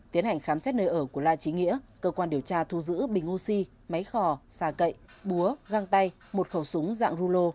tiến hành khám xét nơi ở của la trí nghĩa cơ quan điều tra thu giữ bình oxy máy khỏ xà cậy búa găng tay một khẩu súng dạng rulo